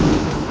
aduh kayak gitu